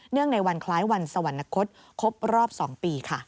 เนื่องในวันคล้ายวันสวรรค์นักศึกษ์ครบรอบ๒ปี